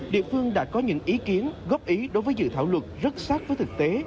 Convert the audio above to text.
địa phương đã có những ý kiến góp ý đối với dự thảo luật rất sát với thực tế